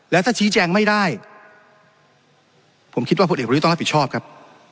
แล้วถ้าชี้แจงไม่ได้ผมคิดว่าผลเอกประยุทธ์ต้องรับผิดชอบครับ